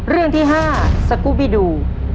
เรื่องที่๕สกูบิดู